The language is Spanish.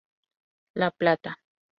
La Plata".